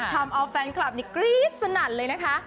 ทำเอาแฟนคลับนี่กรี๊ดสนั่นเลยนะคะ